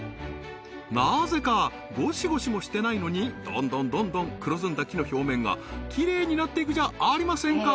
なぜかゴシゴシもしてないのにどんどんどんどん黒ずんだ木の表面がきれいになっていくじゃあーりませんか！